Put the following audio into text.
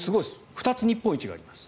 ２つ日本一があります。